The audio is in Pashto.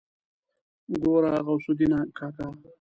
ګوره غوث الدين کاکا.